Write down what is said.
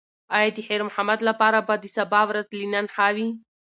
ایا د خیر محمد لپاره به د سبا ورځ له نن ښه وي؟